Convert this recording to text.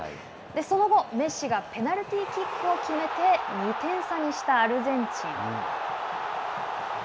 その後、メッシがペナルティーキックを決めて２点差にしたアルゼンチン。